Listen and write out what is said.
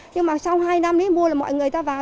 nhưng mà sau hai năm mua là mọi người ta vào